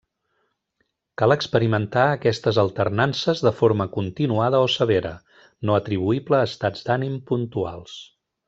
Cal experimentar aquestes alternances de forma continuada o severa, no atribuïble a estats d'ànim puntuals.